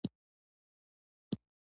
مامور د آمر د قانوني اوامرو اجرا کوونکی دی.